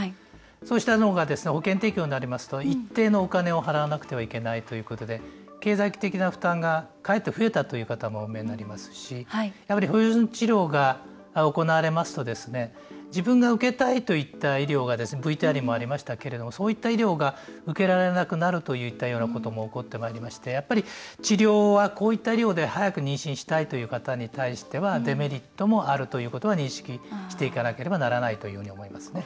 そうしたものが保険適用になりますと一定のお金を払わないといけないということで経済的な負担がかえって増えたという方もお見えになりますしやはり不妊治療が行われますと自分が受けたいといった医療がＶＴＲにもありましたがそういった医療が受けられなくなるということも起こってまいりましてやっぱり治療は、こういう医療で早く妊娠したいといった方にとってはデメリットもあるということを認識していかなければならないと思いますね。